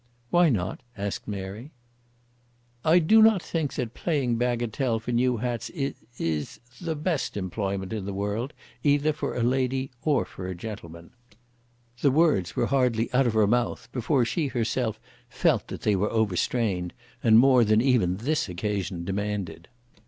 "Why not?" asked Mary. "I do not think that playing bagatelle for new hats is is the best employment in the world either for a lady or for a gentleman." The words were hardly out of her mouth before she herself felt that they were overstrained and more than even this occasion demanded.